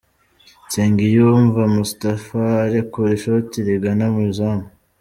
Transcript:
Nsengiyumva Moustapha arekura ishoti rigana mu izamu.